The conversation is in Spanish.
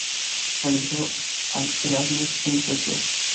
Realizó el Erasmus en Suecia.